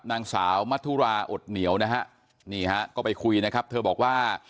นางสาวมัธุราอดเหนียวนะฮะนี่ฮะก็ไปคุยนะครับเธอบอกว่า